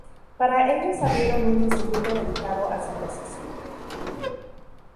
Para ellas abrieron un instituto dedicado a Santa Cecilia.